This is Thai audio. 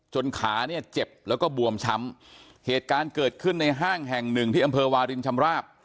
ขาเนี่ยเจ็บแล้วก็บวมช้ำเหตุการณ์เกิดขึ้นในห้างแห่งหนึ่งที่อำเภอวารินชำราบ